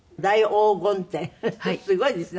すごいですね。